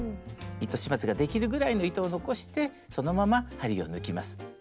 糸始末ができるぐらいの糸を残してそのまま針を抜きます。